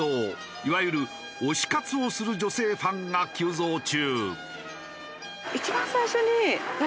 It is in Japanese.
いわゆる推し活をする女性ファンが急増中。